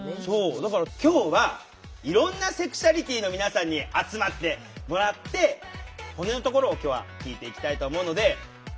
だから今日はいろんなセクシュアリティーの皆さんに集まってもらって本音のところを今日は聞いていきたいと思うので。